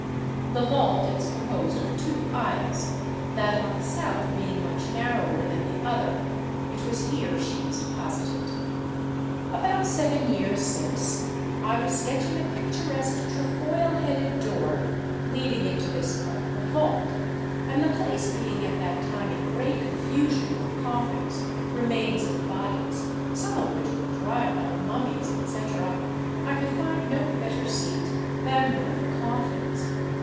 The vault is composed of two aisles, that on the south being much narrower than the other, it was here she was deposited. About seven years since, I was sketching a picturesque trefoil headed door leading into this part of the vault; and the place being at that time in great confusion with coffins, remains of bodies, some of which were dried like mummies, &c., I could find no better seat than one of the coffins.